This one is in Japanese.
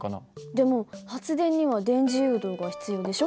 でも発電には電磁誘導が必要でしょ。